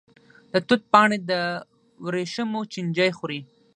د توت پاڼې د وریښمو چینجی خوري.